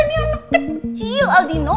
ini anak kecil aldino